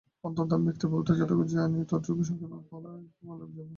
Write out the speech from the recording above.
অন্তত আমি ব্যক্তিগতভাবে যতটুকু জানি ঠিক ততটুকুই সংক্ষেপে বলে যাব।